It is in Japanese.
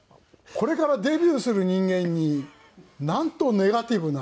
これからデビューする人間になんとネガティブな。